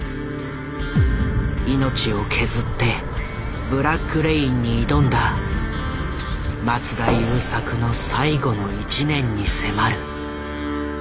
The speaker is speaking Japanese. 命を削って「ブラック・レイン」に挑んだ松田優作の最後の１年に迫る。